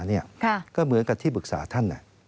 ก็เหมือนกับที่ปรึกษาท่าน